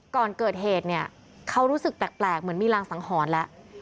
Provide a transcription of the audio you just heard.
ก่อนเกิดเหตุเนี่ยเขารู้สึกแปลกเหมือนมีรางสังหรณ์แล้ว